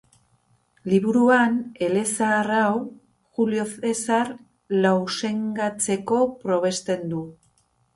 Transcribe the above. Liburuan, elezahar hau, Julio Zesar lausengatzeko probesten du.